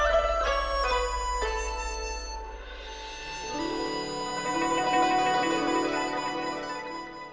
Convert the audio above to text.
จนกว่าผมจะหมดกำลังที่ผมจะสืบสารการแสดงชอบสิงโตมังกร